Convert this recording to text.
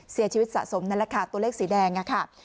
เสียชีวิตสะสมนั่นแหละค่ะตัวเลขสีแดงค่ะ